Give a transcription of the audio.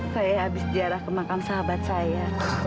saya habis ziarah kemakam sahabat saya